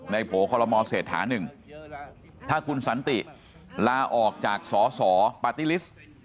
โผล่คอลโมเศรษฐานึงถ้าคุณสันติลาออกจากสสปาร์ตี้ลิสต์